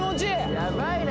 やばいね。